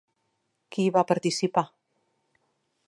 Qui hi va participar?